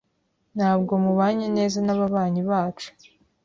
Ntabwo mubanye neza nababanyi bacu.